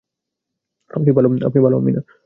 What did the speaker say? আপনি ভালো আম্মি না।